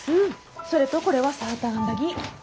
それとこれはサーターアンダギー。